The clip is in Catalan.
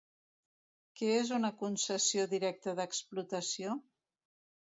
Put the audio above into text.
Què és una concessió directa d'explotació?